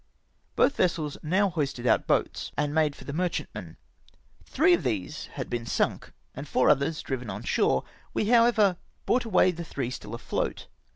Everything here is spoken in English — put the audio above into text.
Both vessels now hoisted our boats, and made for the merchantmen. Three of these had been sunk, and four others driven on shore ; we, however, brought away the three still afloat.